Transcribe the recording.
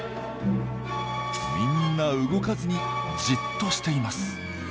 みんな動かずにじっとしています。